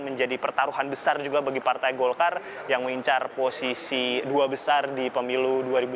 menjadi pertaruhan besar juga bagi partai golkar yang mengincar posisi dua besar di pemilu dua ribu sembilan belas